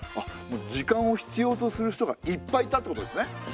時間を必要とする人がいっぱいいたってことですね。